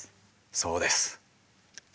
そうです。